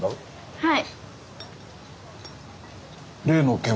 はい。